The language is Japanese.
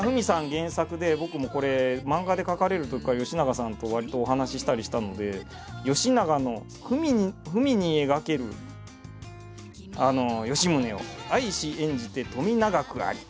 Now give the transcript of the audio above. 原作で僕もこれ漫画で描かれるときからよしながさんとわりとお話ししたりしたので「よしながのふみに描ける吉宗を愛し演じて富永くあり」と。